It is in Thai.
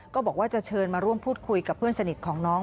บอกว่าจะเชิญมาร่วมพูดคุยกับเพื่อนสนิทของน้อง